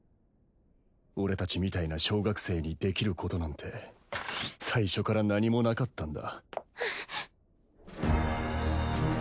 俺たちみたいな小学生にできることなんて最初から何もなかったんだ。